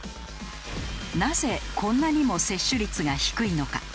なぜこんなにも接種率が低いのか？